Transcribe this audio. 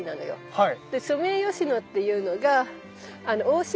はい。